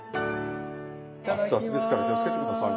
熱々ですから気をつけて下さいね。